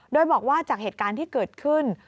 โดยบอกว่าจากเหตุการณ์ที่เกิดขึ้น